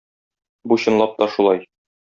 Бу чынлап та шулай.